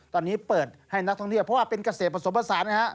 ตอนนี้เปิดให้นักท่องเที่ยวเพราะว่าเป็นเกษตรผสมผสานนะฮะ